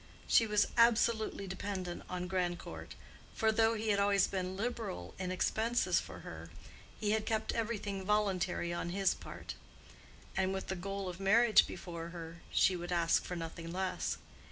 She was absolutely dependent on Grandcourt; for though he had been always liberal in expenses for her, he had kept everything voluntary on his part; and with the goal of marriage before her, she would ask for nothing less.